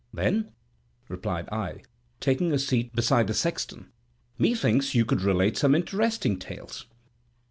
"Then," replied I, taking a seat beside the sexton, "methinks you could relate some interesting tales."